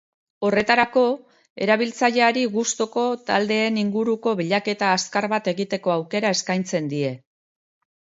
Horretarako, erabiltzaileari gustuko taldeen inguruko bilaketa azkar bat egiteko aukera eskaintzen die.